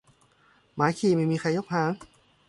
หมาขี้ไม่มีใครยกหาง